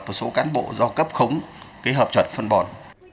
một số cán bộ do cấp khống cái hợp chuẩn phân bổ